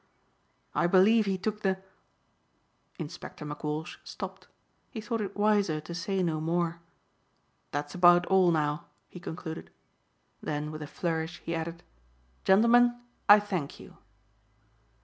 I believe he took the " Inspector McWalsh stopped. He thought it wiser to say no more. "That's about all now," he concluded. Then with a flourish he added, "Gentlemen, I thank you."